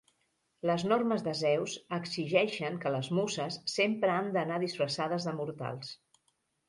Les normes de Zeus exigeixen que les Muses sempre han d'anar disfressades de mortals.